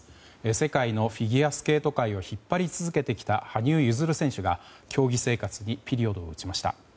世界のフィギュアスケート界を引っ張り続けてきた羽生結弦選手が競技生活にピリオドを打ちました。